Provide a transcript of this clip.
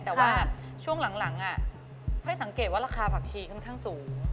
แต่ว่าช่วงหลังค่อยสังเกตว่าราคาผักชีค่อนข้างสูง